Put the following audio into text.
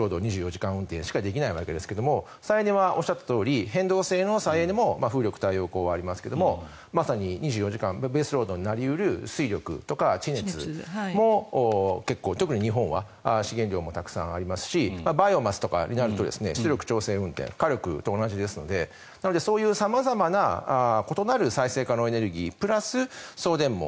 ２４時間運転しかできないわけですが再エネはおっしゃったとおり変動制の再エネも風力、太陽光がありますがまさに２４時間ベースロードになり得る水力とか地熱とかも結構、特に日本は資源量もたくさんありますしバイオマスとかになると出力調整運転火力と同じですのでなのでそういう様々な異なる再生可能エネルギープラス送電網